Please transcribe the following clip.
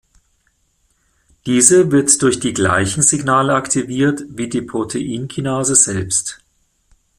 Diese wird durch die gleichen Signale aktiviert wie die Proteinkinase selbst.